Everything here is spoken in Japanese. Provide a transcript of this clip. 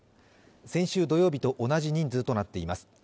先週土曜日と同じ人数となっています。